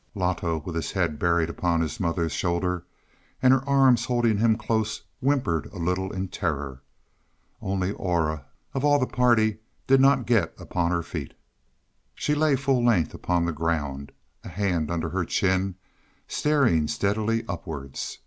Loto, with his head buried upon his mother's shoulder, and her arms holding him close, whimpered a little in terror. Only Aura, of all the party, did not get upon her feet. She lay full length upon the ground, a hand under her chin, staring steadily upwards.